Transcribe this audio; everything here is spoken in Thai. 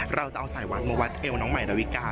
เราจะเอาสายวัดมาวัดเอวน้องใหม่ดาวิกา